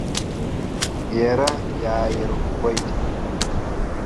Иара иааирӷәӷәеит.